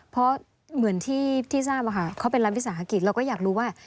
เพราะเหมือนที่ทราบค่ะเขาเป็นรัฐวิสาหกิจเราก็อยากรู้ว่า